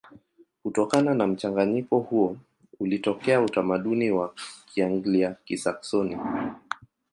Kutokana na mchanganyiko huo ulitokea utamaduni wa Kianglia-Kisaksoni.